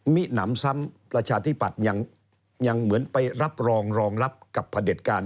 หนำซ้ำประชาธิปัตย์ยังเหมือนไปรับรองรองรับกับพระเด็จการ